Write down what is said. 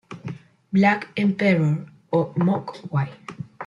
Black Emperor o Mogwai.